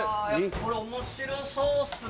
これ面白そうっすね